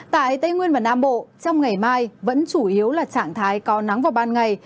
tại tây nguyên và nam bộ trong ngày mai vẫn chủ yếu là trạng thái có nắng vào ban ngày